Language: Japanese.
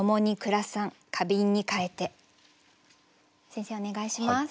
先生お願いします。